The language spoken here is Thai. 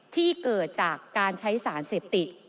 ที่เกิดจากการใช้สารเสพติด